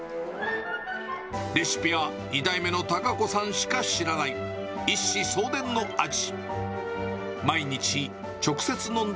レシピは２代目の孝子さんしか知らない、一子相伝の味。